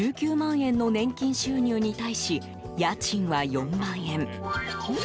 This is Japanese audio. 円の年金収入に対し家賃は４万円。